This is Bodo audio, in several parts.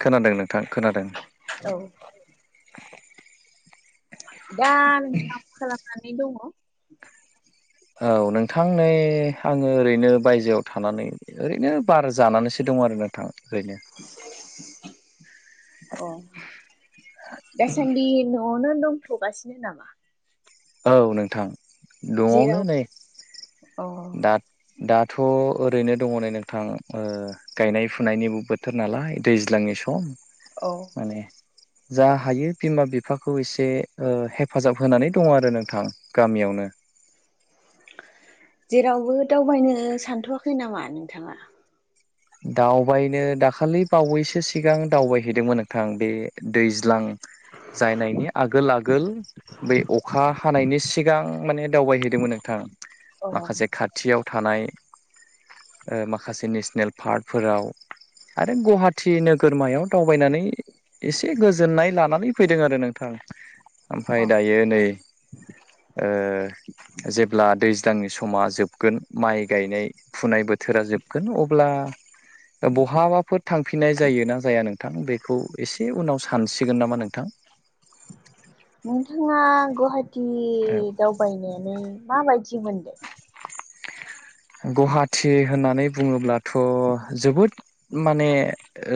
खोनादों नोंथां खोनादों। औ। दा नोंथाङा मा खालामनानै दङ? औ नोंथां नै आङो ओरैनो बायजोआव थानानै ओरैनो बार जानानैसो दं आरो नोंथां ओरैनो। अ दासान्दि न' नो दंथ'गासिनो नामा? औ नोंथां नआवनो जेराव नै अ दा दाथ' ओरैनो दङ नै नोंथां ओ गायनाय फुनायनिबो बो थोर नालाय दैज्लांनि सम। औ। माने जा हायो बिमा बिफाखौ एसे ओ हेफाजाब होनानै दङ आरो नोंथां गामियावनो। जेरावबो दावबायनो सानथ'वाखै नामा नोंथाङा? दावबायनो दाखालि बावैसो सिगां दावबायहैदोंमोन नोंथां बे दैज्लां जायनायनि आगोल आगोल बै अखा हानायनि सिगां माने दावबायहैदोंमोन नोंथां अ माखासे खा थियाव थानाय ओ माखासे नेसनेल पार्कफोराव आरो गुवाहाटि नोगोरमायाव दावबायनानै एसे गोजोननाय लानानै फैदों आरो नोंथां। ओमफ्राय अ दायो नै ओ जेब्ला दैज्लांनि समा जोबगोन माइ गायनाय फुनाय बोथोरा जोबगोन अब्ला [inaudible] बहाबाफोर थांफिननाय जायो ना जाया नोंथां बेखौ एसे उनाव सानसिगोन नामा नोंथां। नोंथाङा गुवाहाटी ओ दाव बायनानै माबायदि मोनदों? गुवाहाटि होननानै बुङोब्लाथ' जोबोद माने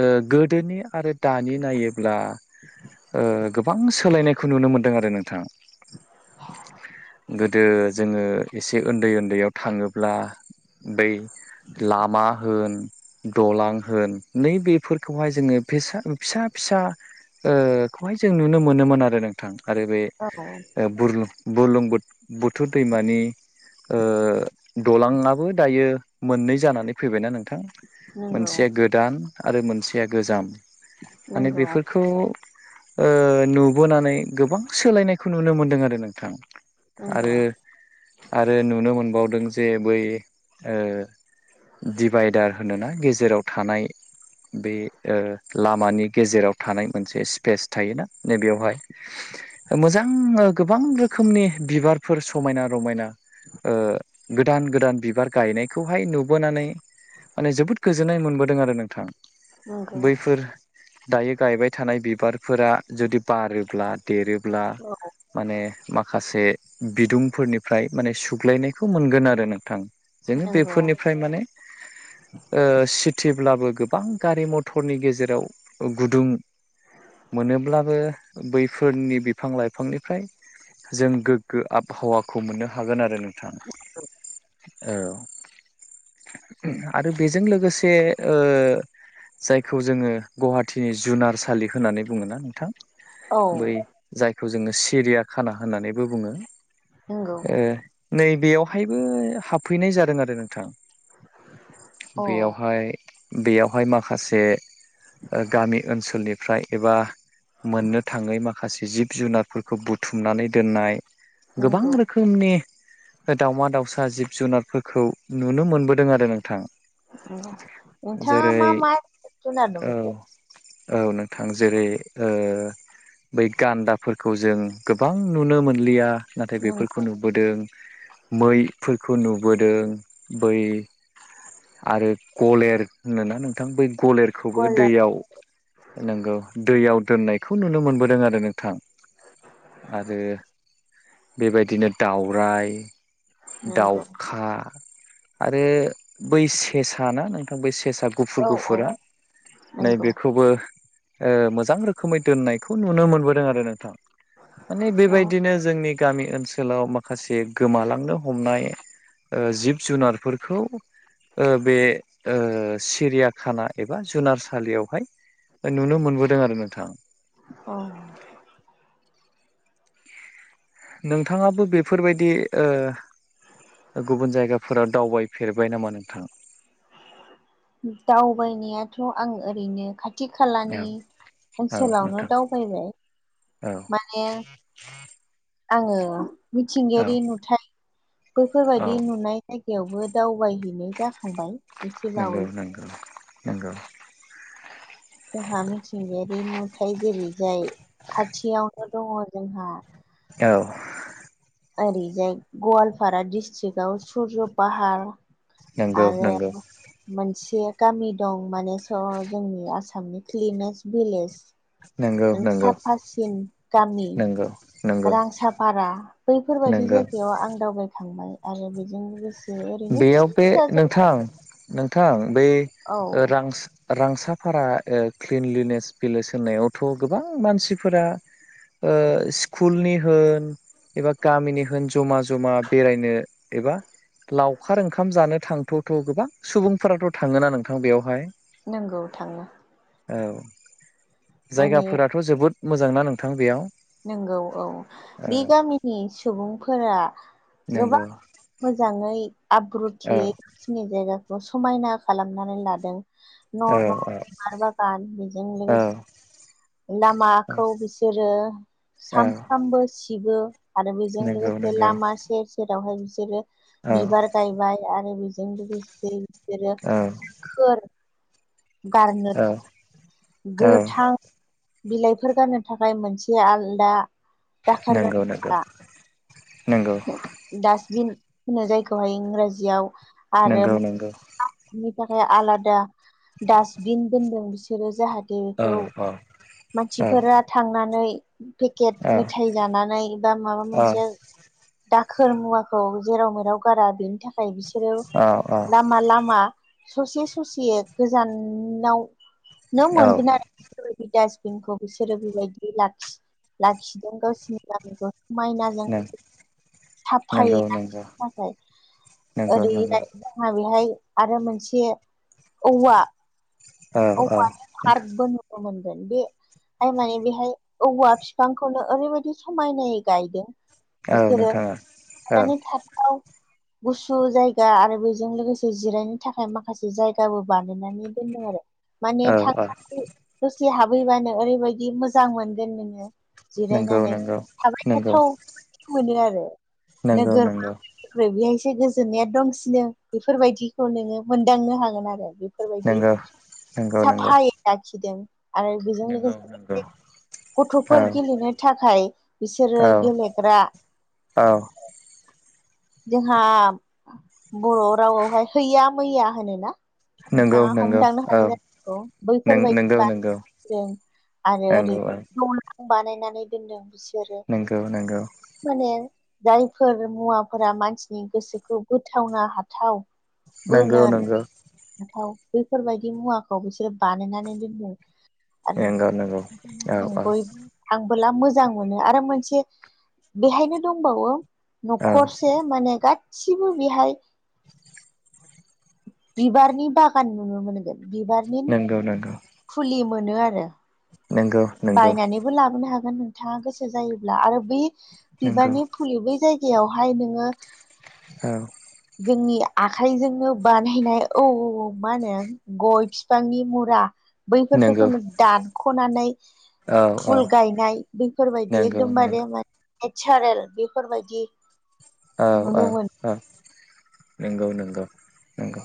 ओ गोदोनि आरो दानि नायोब्ला ओ गोबां सोलायनायखौ नुनो मोनदों आरो नोंथां। गोदो जोङो एसे ओन्दै ओन्दैयाव थाङोब्ला बै लामा होन दलां होन नैबेफोरखौहाय जोङो फेसा फिसा फिसा ओ खौहाय जों नुनो मोनोमोन आरो नोंथां आरो बे [unintelligible] बुरलुं बुरलुंबुथ बुथुर दैमानि ओ दलाङाबो दायो मोननै जानानै फैबायना नोंथां। नंगौ मोनसेया गोदान आरो मोनसेया गोजाम माने नंगौ बेफोरखौ ओ नुबोनानै गोबां सोलायनायखौ नुनो मोनदों आरो नोंथां नंगौ आरो आरो नुनो मोनबावदों जे बै ओ दिभाइदार होनोना गेजेराव थानाय [unintelligible] [inaudible] बे ओ लामानि गेजेराव थानाय मोनसे स्पेस थायोना नैबेयावहाय मोजां गोबां रोखोमनि बिबारफोर समायना रमायना ओ गोदान गोदान बिबार गायनायखौहाय नुबोनानै माने जोबोद गोजोननाय मोनबोदों आरो नोंथां नंगौ बैफोर दायो गायबाय थानाय बिबारफोरा जुदि बारोब्ला देरोब्ला औ। माने माखासे बिदुंफोरनिफ्राय माने सुग्लायनायखौ मोनगोन आरो नोंथां जोङो नंगौ बेफोरनिफ्राय माने ओ सिटिब्लाबो गोबां गारि मथरनि गेजेराव गुदुं मोनोब्लाबो बैफोरनि बिफां लाइफांनिफ्राय जों गोग्गो आबहावाखौ मोननो हागोन आरो नोंथां। औ आरो बेजों लोगोसे ओ जायखौ जोङो गुवाहाटिनि जुनारसालि होननानै बुङो ना नोंथां। औ बै जायखौ जोङो सिरिया खाना होननानैबो बुङो। नंगौ ए नैबेयावहायबो हाबफैनाय जादों आरो नोंथां। अ बेयावहाय बेयावहाय माखासे गामि ओनसोलनिफ्राय एबा मोननो थाङै मा खासे जिब जुनारफोरखौ बुथुमनानै दोननाय गोबां नंगौ रोखो रोखोमनि दावमा दावसा जिब जुनारफोरखौ नुनो मोनबोदों आरो नोंथां। नोंथाङा जेरै मा मा जुनाथ औ नुबोखो औ नोंथां जेरै ओ बै गान्दाफोरखौ जों गोबां नुनो मोनलिया नाथाय बेफोरखौ नंगौ खौ नुबोदों मैफोरखौ नुबोदों बै आरो गलेर होनोना नोंथां बै गलेरखौबो गराइ दैयाव नोंगौ दैयाव दोननायखौ नुनो मोनबोदों आरो नोंथां। आरो बेबायदि बिदिनो दाउराय नंगौ दाउखा आरो बै सेसा ना नोंथां बै सेसा गुफुर औ औ गुफुरा नंगौ नैबेखौबो ओ मोजां रोखोमै दोननायखौ नुनो मोनबोदों आरो नोंथां माने औ बेबायदिनो जोंनि गामि ओनसोल लाव माखासे गोमालांनो हमनाय जिब जुनारफोरखौ ओ बे ओ सिरियाखाना एबा जुनारसालियावहाय नुनो मोनबोदों आरो नोंथां। अ नोंथाङाबो बेफोरबायदि ओ गुबुन जायगाफोराव दावबाय फेरबाय नामा नोंथां? दावबायनायाथ' आं ओरैनो खाथि खाथि खालानि औ औ नोंथां ओनसोलावनो दावबायबाय। औ माने आङो औ मिथिंगायारि नुथाय औ बैफोरबायदि नुनाय जायगायावबो दावबायहैनाय जाखांबाय एसे नंगौ बावैसो नंगौ नंगौ जोंहा मिथिंगायारि नुथाय जेरै जाय खाथियावनो दङ जोंहा औ ओरैजाय गवालपारा डिस्ट्रिकआव सुरज पाहार नंगौ नंगौ आरो मोनसे गामि दं माने स जोंनि आसामनि क्लिनेस्ट भिलेज नंगौ [unintelligible] नंगौ साफासिन गामि नंगौ नंगौ रां साफारा बैफोरबायदि नंगौ जायगायाव आं दावबायखांबाय आरो बिजों लोगोसे ओरैनो बेयाव फिसा बे फिसा जायगा नोंथां नोंथां बै औ रां रांसाफारा क्लिनलिनेस भलेज होनावथ' गोबां मानसिफोरा ओ स्कुलनि होन एबा गामिनि होन जमा जमा बेरायनो एबा लावखार ओंखाम जानो थांथ'थ' गोबां सुबुंफोराथ' थाङो ना नोंथां बेयावहाय? नंगौ थांङो औ माने जायगाफोराथ' जोबोद मोजांना नोंथां बेयाव नंगौ औ औ बे गामिनि सुबुंफोरा गोबां नंगौ मोजाङै औ आब्रुथियै खिनि जायगाखौ समायना खालामनानै लादों न' औ न' औ बिबार बागान बेजों लो औ लामाखौ बिसोरो औ सामफ्रामबो सिबो आरो बेजों नंगौ लोगोसे नंगौ लामा सेर सेरावहाय बिसोरो औ बिबार गायबाय आरो बेजों लोगोसे बिसोरो औ औ फोर गारनो थाखाय औ गोथां बिलाइफोर गाननो थाखाय मोनसे आलदा दाखोर नोंगौ नोंगौ गारग्रा नोंगौ डास्टबिन होनो जायखौहाय इंराजियाव आरो नंगौ नंगौ आनि थाखाय आलादा डास्टबिन दोनदों बिसोरो जाहाथे बे औ बेखौ औ मानसिफोरा थांनानै पेकेट औ मेथाइ जानानै बा माबा औ मोनसे दाखोर मुवाखौ जेराव मेराव गारा बेनि थाखाय बिसोरो औ औ लामा लामा ससे ससे गोजानावनो औ मोनगोन आरो बेबायदि डासबिनखौ बिसोरो बेबायदि लाखिदों गावसोरनि गामिखौ माइनाजों साफायै नंगौ नंगौ लाखिनो थाखाय नंगौ नंगौ ओरैहाय जोंहा बेहाय आरो मोनसे औवा औ औवा नोंथां फार्गबो नुनो मोनगोन बे जायनाय बेहाय औवा फिफांखौनो ओरैबायदि समायनायै गायदों औ बिसोरो नोंथां औ थनानै थाथाव गुसु जायगा आरो बेजों लोगोसे जिरायनो थाखाय माखासे जायगाबो बानायनानै दोनदों आरो माने औ औ थांनानै दसे हाबैबानो ओरैबायदि मोजां मोनगोन नोङो नंगौ जिरायनानै नंगौ थाबाय नंगौ थाथाव मोनो आरो नंगौ नोगोरमा नंगौ बेहायसो गोजोननाया दंसिनो बेफोरबायदिखौ नोङो मोनदांनो हागोन आरो बेफोरबायदि नंगौ नंगौ नंगौ साफायै लाखिदों आरो बेजों नंगौ नंगौ लोगोसे औ गथ'फोर गेलेनो थाखाय बिसोरो औ गेले औ जोंहा बर' रावआवहाय हैैया मैया होनोना नंगौ नोंथाङा नंगौ हमदांनो औ हादों जानांगौ बैफोरबायदि नंगौ बा नंगौ आरो ओरै नंगौ औ द बानायनानै दोनदों बिस नोंगौ नोंगौ माने जायफोर मुवाफोरा मानसिनि गोसोखौ बोथावनो हाथाव बोना नंगौ नंगौ हाथाव बेफोरबायदि मुवाखौ बिसोरो बानायनानै दोनो आरो नंगौ औ ओं औ बै आंबोला मोजां मोनो आरो मोनसे बेहायनो दंबावो औ न'खर माने गासिबो बेहाय बिबारनि बागान नुनो मोनगोन बिबारनि नगौ नांगौ फुलि मोनो आरो नंगौ बायनानै बो लाबोनो हागोन नोंथाङा गोसो जायोब्ला आरो बै नंगौ बिबारनि सुलियो बै जायगायावहाय नोङो औ जोंनि आखाइजोंनो बानायनाय औ मा होनो गय फिफांनि मुरा नंगौ बैफोरखौनो दानख'नानै औ औ फुल गायनाय बेफोरबायदि नंगौ नंगौ एकदमबारे मान नेचारेल बेफोरबायदि औ औ नुनो मोनो औ नंगौ नंगौ नंगौ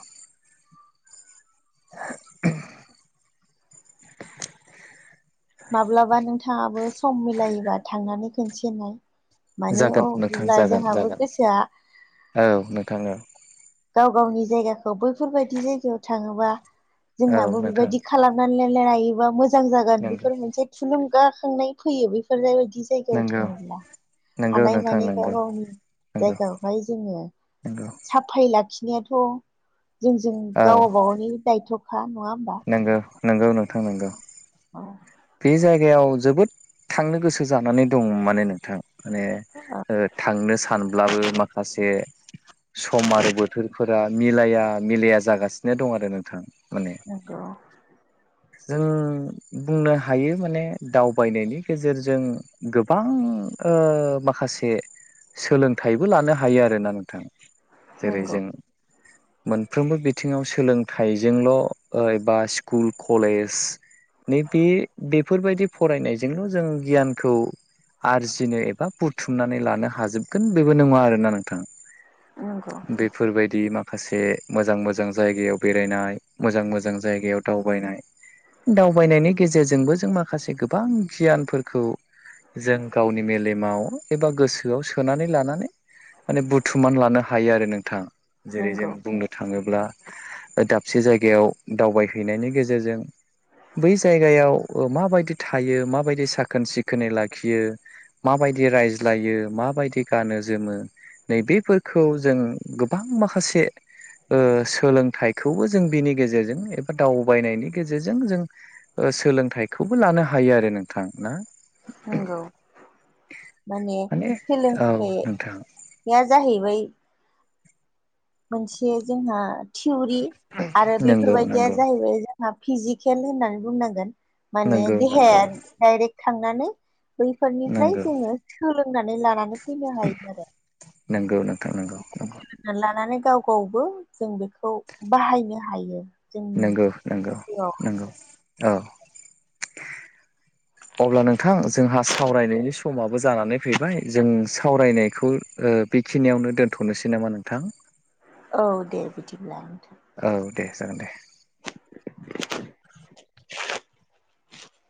माब्लाबा नोंथाङाबो सम मिलायोबा थांनानै खोनसेनाय माने अ जागोन नोंथां बिदिब्ला जागोन जागोन जोंहाबो गोसोआ औ नोंथां औ गाव गावनि जायगाखौ बैफोरबायदि जायगायाव थाङोबा औ जोंनाबो नोंथां बेबायदि खालामनानै लायोबा मोजां जागोन नंगौ बेफोर मोनसे थुलुंगाखांनाय फैयो बेफोर जायबायदि जायगायाव नंगौ थाङोब्ला नंगौ नोंथां हानायमानि गाव नंगौ गावनि नंगौ जायगायावहाय जोङो नंगौ उफाय लाखिनायाथ' जोंजों औ गावबागावनि दायथ'खा नङा होमबा? नंगौ नंगौ नोंथां नंगौ बे जायगायाव जोबोद थांनो गोसो जानानै दं माने नोंथां माने ओ थांनो सानब्लाबो माखासे सम आरो बोथोरफोरा मिलाया मिलाया जागासिनो दं आरो नोंथां माने नंगौ जों बुंनो हायो माने दावबायनायनि गेजेरजों गोबां ओ माखासे सोलोंथाइबो लानो हायो आरोना नोंथां जेरै नंगौ जों मोनफ्रोमबो बिथिङाव सोलोंथाइजोंल' एबा स्कुल कलेज नै बे बेफोरबायदि फरायनायजोंल' जों गियानखौ आरजिनो एबा बुथुमनानै लानो हाजोबगोन बेबो नङा आरोना नोंथां नंगौ बेफोरबायायदि माखासे मोजां मोजां जायगायाव बेरायनाय मोजां मोजां जायगायाव दाव बायनाइ दावबायनायनि गेजेरजोंबो जों माखासे गोबां गियानफोरखौ जों गावनि मेलेमाव एबा गोसोआव सोनानै लानानै माने बुथुमान लानो हायो आरो नोंथां जेरै जों बुंनो थाङोब्ला दाबसे जायगायाव दावबायहैनायनि गेजेरजों बै जायगायाव माबायदि थायो माबायदि साखोन सिखोनै लाखियो माबायदि रायज्लायो माबायदि गानो जोमो नैबेफोरखौ जों गोबां माखासे ओ सोलोंथाइखौबो जों बिनि गेजेरजों एबा दाव बायनायनि गेजेरजों जों सोलोंथाइखौबो लानो हायो आरो नोंथां ना? नंगौ माने औ सोलोंथाइ नोंथां निया जाहैबाय मोनसे जोंहा थिउरि आरो नंगौ बेफोरबायदिया नंगौ जाहैबाय जोंहा फिजिकेल होननानै बुंनांगोन माने नंगौ नंगौ देहाया डाइरेक्ट थांनानै बैफोरनिफ्राय नंगौ जोङो सोलोंनानै लानानै फैनो हायो आरो। नंगौ नोंथां नंगौ नांगौ लानानै गाव गावबो जों बेखौ बाहायनो हायो। जोंनि नंगौ नंगौ जिउआव नंगौ औ अब्ला नोंथां जोंहा सावरायनायनि समाबो जानानै फैबाय जों सावरायनायखौ ओ बेखिनियावनो दोनथ'नोसै नामा नोंथां औ दे बिदिब्ला नोंथां औ दे जागोन दे [unintelligible]